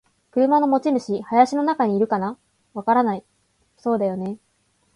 「車の持ち主。林の中にいるかな？」「わからない。」「そうだよね。」